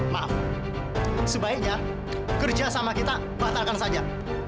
maaf sebaiknya kerja sama kita batalkan saja